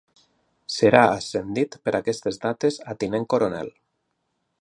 Serà ascendit per aquestes dates a tinent coronel.